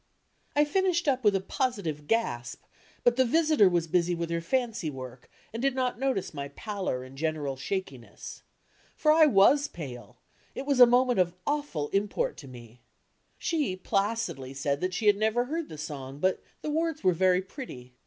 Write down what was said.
I finished up with a positive gasp, but die visitor was busy with her fancy work, and did not notice my pallor and general shakiness. For I was pale, it was a moment of awful import to me. She placidly said that she had never heard the song, but "the words were very pretty."